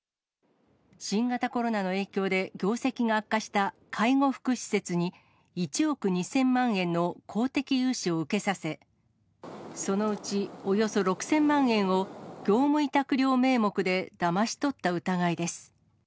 新型コロナの影響で、業績が悪化した介護福祉施設に１億２０００万円の公的融資を受けさせ、そのうち、およそ６０００万円を業務委託料名目でだまし取った疑いです。